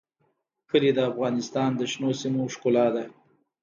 کلي د افغانستان د شنو سیمو ښکلا ده.